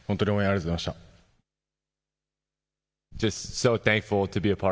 本当に応援ありがとうございました。